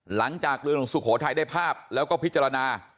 หลังจากเรือหลวงสุโขทัยได้ภาพแล้วก็พิจารณา